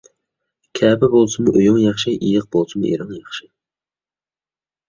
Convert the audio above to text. كەپە بولسىمۇ ئۆيۈڭ ياخشى، ئېيىق بولسىمۇ ئېرىڭ ياخشى.